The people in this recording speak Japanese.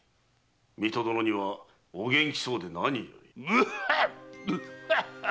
水戸殿にはお元気そうでなにより。